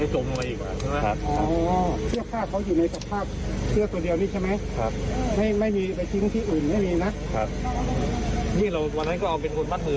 ช่วยหลายผู้อยู่ในตำแหน่งเสื้อ